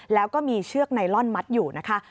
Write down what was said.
แล้วก็มีเชือกไนลอนมัดอยู่นะคะ